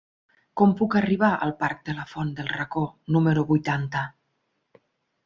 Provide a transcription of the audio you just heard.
Com puc arribar al parc de la Font del Racó número vuitanta?